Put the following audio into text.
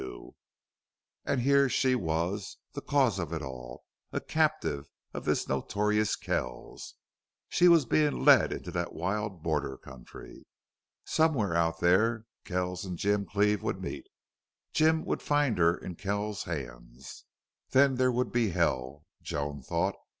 And here she was, the cause of it all, a captive of this notorious Kells! She was being led into that wild border country. Somewhere out there Kells and Jim Cleve would meet. Jim would find her in Kells's hands. Then there would be hell, Joan thought.